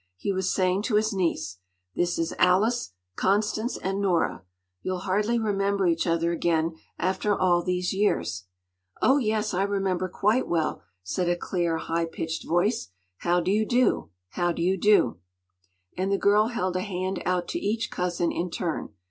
He was saying to his niece—“This is Alice, Constance—and Nora! You’ll hardly remember each other again, after all these years.” “Oh, yes, I remember quite well,” said a clear, high pitched voice. “How do you do!—how do you do?” And the girl held a hand out to each cousin in turn.